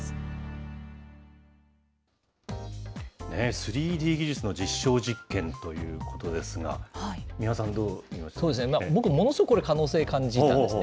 ３Ｄ技術の実証実験ということですが、僕、ものすごくこれ、可能性感じたんですね。